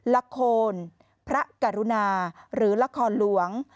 ละครพระกรุณาหรือละครหลวง